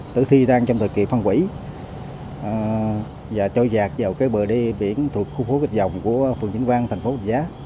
tử thi đang trong thời kỳ phân quỷ và trôi dạt vào cái bờ đi biển thuộc khu phố vịch dòng của phường vĩnh vang tp hcm